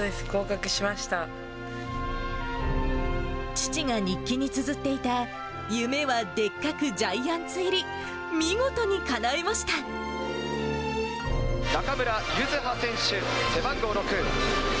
父が日記につづっていた、夢はでっかくジャイアンツ入り、中村柚葉選手、背番号６。